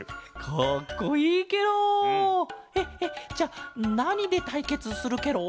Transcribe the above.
かっこいいケロ！えじゃあなにでたいけつするケロ？